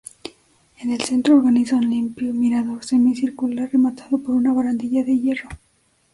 En el centro organiza un limpio mirador semicircular rematado por una barandilla de hierro.